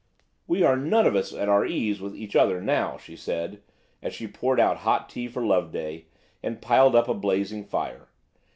"We are none of us at our ease with each other now," she said, as she poured out hot tea for Loveday, and piled up a blazing fire.